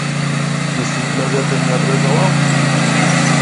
І суд на гэта не адрэагаваў?